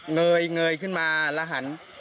เงยขึ้นมาแล้วหัน